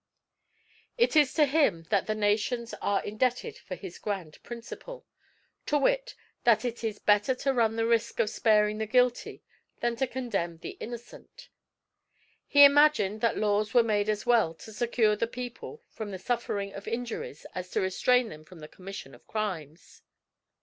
It is to him that the nations are indebted for this grand principle, to wit, that it is better to run the risk of sparing the guilty than to condemn the innocent. He imagined that laws were made as well to secure the people from the suffering of injuries as to restrain them from the commission of crimes.